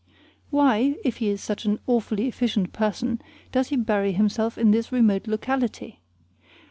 Why, if he is such an awfully efficient person does he bury himself in this remote locality?